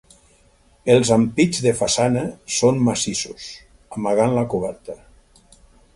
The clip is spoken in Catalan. Els ampits de façana són massissos, amagant la coberta.